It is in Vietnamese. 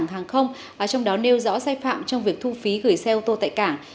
hàng không trong đó nêu rõ sai phạm trong việc thu phí gửi xe ô tô tại cảng